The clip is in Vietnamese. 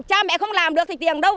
cha mẹ không làm được thì tiền đâu